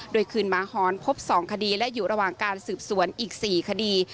โดยคืนหมาหอนพบ๒คดีและอยู่ระหว่างการสืบสวนอีก๔คดี